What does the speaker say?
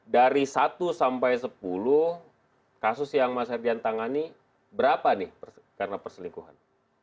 dari satu sampai sepuluh kasus yang mas herdian tangani berapa nih karena perselingkuhan